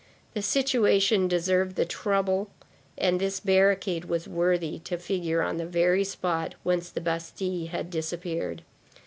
The situation deserved the trouble and this barricade was worthy to figure on the very spot whence the Bastille had disappeared.